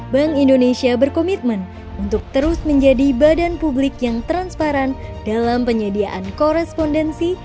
bank indonesia berkomitmen untuk terus menjadi badan publik yang transparan dalam penyediaan korespondensi